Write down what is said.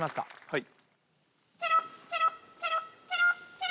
はい。